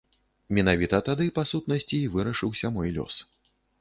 Менавіта тады, па сутнасці, і вырашыўся мой лёс.